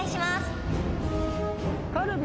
上カルビ。